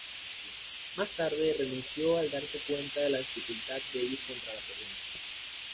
Más tarde renunció al darse cuenta de la dificultad de ir contra la corriente.